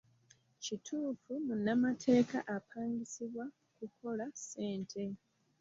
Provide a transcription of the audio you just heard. Kituufu munnamateeka apangisibwa kukola ssente